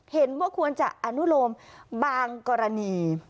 เห็นว่าควรจะอนุโลมบางกรณี